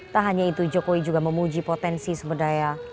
tak hanya itu jokowi juga memuji potensi sumber daya